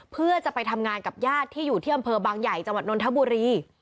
เพื่อจะไปทำงานกับญาติที่อยู่ที่อำเภอบางใหญ่จังหวัดนนทบุรี